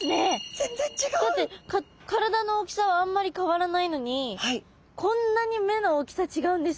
だって体の大きさはあんまり変わらないのにこんなに目の大きさ違うんですか。